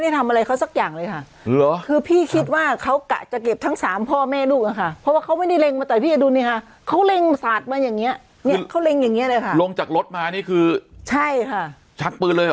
เนี้ยเนี้ยเขาเร็งอย่างเงี้ยเลยค่ะลงจากรถมานี่คือใช่ค่ะชักปืนเลย